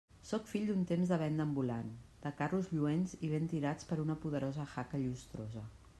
Sóc fill d'un temps de venda ambulant, de carros lluents i ben tirats per una poderosa haca llustrosa.